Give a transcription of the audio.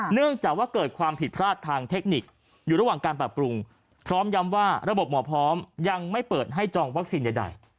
เนื่องจากว่าเกิดความผิดพลาดทางเทคนิคอยู่ระหว่างการปรับปรุงพร้อมย้ำว่าระบบหมอพร้อมยังไม่เปิดให้จองวัคซีนใด